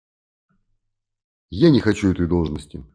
Я не хочу этой должности.